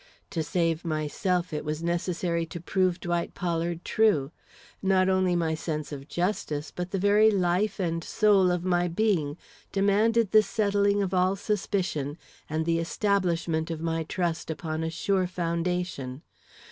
To save myself it was necessary to prove Dwight Pollard true. Not only my sense of justice, but the very life and soul of my being, demanded the settling of all suspicion and the establishment of my trust upon a sure foundation.